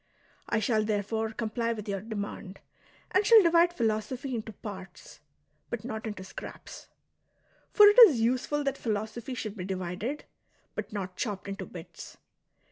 I shall therefore comply with your demand, and shall divide philosophy into parts, but not into scraps. For it is useful that philosophy should be divided, but not chopped into bits.